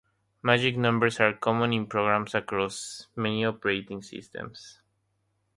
Magic numbers are common in programs across many operating systems.